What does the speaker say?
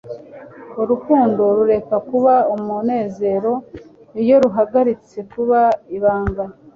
urukundo rureka kuba umunezero iyo ruhagaritse kuba ibanga